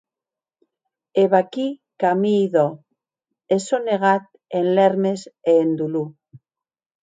E vaquí qu’amii dòu, e sò negat en lèrmes e en dolor.